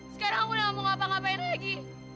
sekarang aku udah gak mau ngapa ngapain lagi